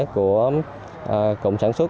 của cụm sản xuất